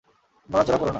নড়াচড়া কোরো না।